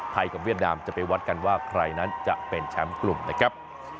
กับเวียดนามจะไปวัดกันว่าใครนั้นจะเป็นแชมป์กลุ่มนะครับ